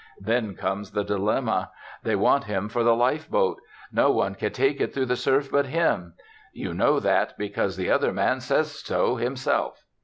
Then comes the dilemma. They want him for the lifeboat; no one can take it through the surf but him. You know that because the other man says so himself.